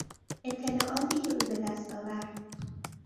اطلاعاتی که او به دست آورد